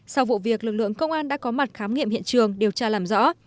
sau vụ việc lực lượng công an đã có mặt khám nghiệm hiện trường điều tra làm rõ